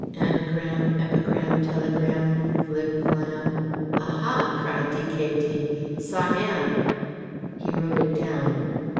"Anagram, epigram, telegram, flimflam aha!" cried D.K.T. "Siam!" He wrote it down.